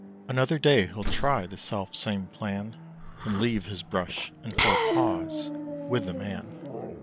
Another day he'll try the self same plan, And leave his brush and four paws with the man.